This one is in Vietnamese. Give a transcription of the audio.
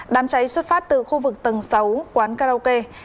đám cháy xuất phát từ khu vực tầng sáu quán karaoke